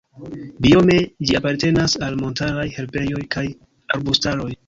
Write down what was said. Biome ĝi apartenas al montaraj herbejoj kaj arbustaroj.